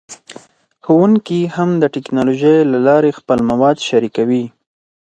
ښوونکي هم د ټیکنالوژۍ له لارې خپل مواد شریکوي.